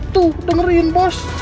tuh dengerin bos